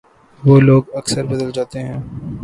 وہ لوگ اکثر بدل جاتے ہیں